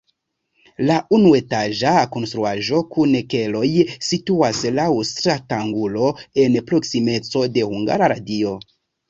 La unuetaĝa konstruaĵo kun keloj situas laŭ stratangulo en proksimeco de Hungara Radio.